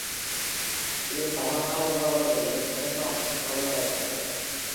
இது சமகால முகவரிகளில் முரண்பாட்டிற்கு வழிவகுக்கிறது.